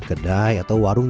kedai atau warung